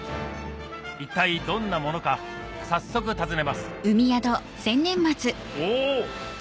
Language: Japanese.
一体どんなものか早速訪ねますお！